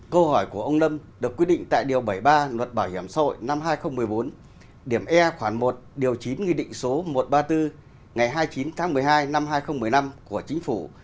câu hỏi của ông lâm được quy định tại điều bảy mươi ba luật bảo hiểm xã hội năm hai nghìn một mươi bốn điểm e khoảng một điều chín nghị định số một trăm ba mươi bốn ngày hai mươi chín tháng một mươi hai năm hai nghìn một mươi năm của chính phủ